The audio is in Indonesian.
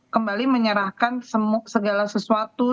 kembali menyerahkan segala sesuatu